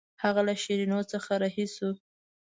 هغه له شیرینو څخه رهي شو.